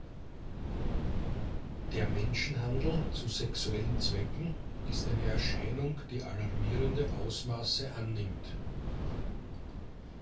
Der Menschenhandel zu sexuellen Zwecken ist eine Erscheinung, die alarmierende Ausmaße annimmt.